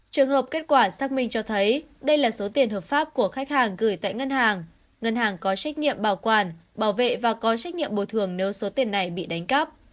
trường hợp kết quả xác minh cho thấy đây là số tiền hợp pháp của khách hàng gửi tại ngân hàng ngân hàng có trách nhiệm bảo quản bảo vệ và có trách nhiệm bồi thường nếu số tiền này bị đánh cắp